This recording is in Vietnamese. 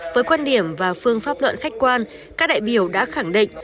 với quan điểm và phương pháp luận khách quan các đại biểu đã khẳng định